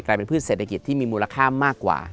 กลายเป็นพืชเศรษฐกิจที่มีมูลค่ามากกว่า